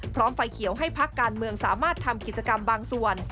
ไฟเขียวให้พักการเมืองสามารถทำกิจกรรมบางส่วน